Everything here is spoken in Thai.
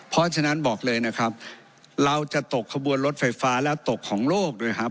เพราะฉะนั้นบอกเลยนะครับเราจะตกขบวนรถไฟฟ้าแล้วตกของโลกด้วยครับ